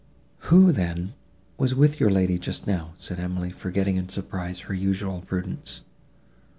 "Who, then, was with your lady just now?" said Emily, forgetting, in surprise, her usual prudence.